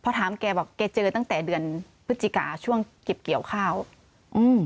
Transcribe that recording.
พอถามแกบอกแกเจอตั้งแต่เดือนพฤศจิกาช่วงเก็บเกี่ยวข้าวอืม